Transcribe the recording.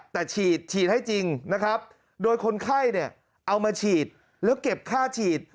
แต่ฉีดฉีดให้จริงนะครับโดยคนไข้เนี่ยเอามาฉีดแล้วเก็บค่าฉีด